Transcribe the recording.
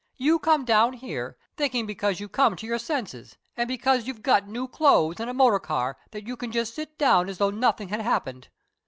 You come down here, thinking because you've come to your senses, and because you've got new clothes and a motor car, that you can just sit down as though nothing had happened.